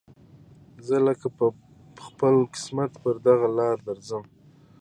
زه لکه پل په خپل قسمت پر دغه لاره درځم